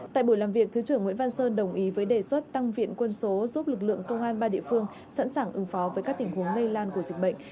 tại buổi làm việc thứ trưởng nguyễn văn sơn đồng ý với đề xuất tăng viện quân số giúp lực lượng công an ba địa phương sẵn sàng ứng phó với các tình huống lây lan của dịch bệnh